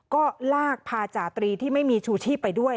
ก็ลากพาจาตรีที่ไม่มีชูชีพไปด้วย